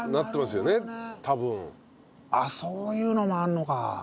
あっそういうのもあるのか。